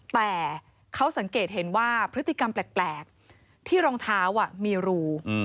แต่เขาสังเกตเห็นว่าพฤติกรรมแปลกที่รองเท้ามีรู